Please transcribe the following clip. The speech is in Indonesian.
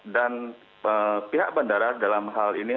dan pihak bandara dalam hal ini